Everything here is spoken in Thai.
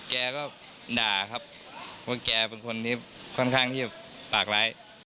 แกก็ด่าครับว่าแกเป็นคนที่ค่อนข้างที่จะปากร้าย